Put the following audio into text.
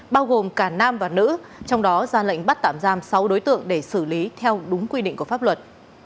bao gồm cả nam và nữ trong đó ra lệnh bắt tạm giam sáu đối tượng để xử lý theo đúng quy định của pháp luật